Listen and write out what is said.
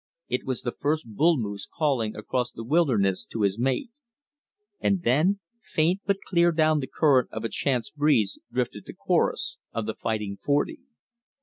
It was the first bull moose calling across the wilderness to his mate. And then, faint but clear down the current of a chance breeze drifted the chorus of the Fighting Forty.